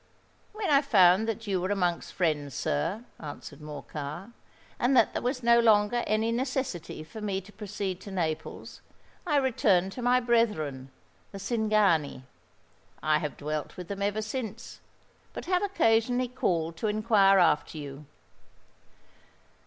"When I found that you were amongst friends, sir," answered Morcar, "and that there was no longer any necessity for me to proceed to Naples, I returned to my brethren, the Cingani. I have dwelt with them ever since; but have occasionally called to inquire after you."